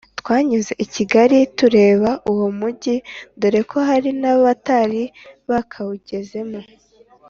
twanyuze i kigali tureba uwo mugi dore ko hari n’abatari bakawugezemo